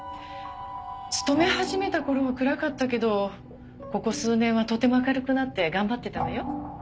勤め始めた頃は暗かったけどここ数年はとても明るくなって頑張ってたわよ。